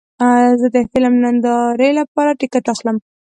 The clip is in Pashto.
زه د فلم نندارې لپاره ټکټ اخلم.